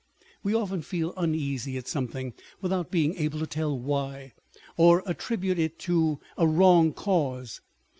We often feel uneasy at something, without being able to tell why, or attribute it to a wrong cause.